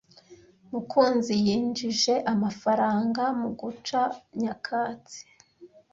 Mukunzi yinjije amafaranga mu guca nyakatsi.